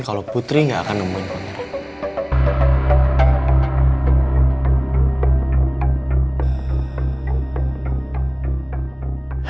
kalau putri gak akan nemuin pangeran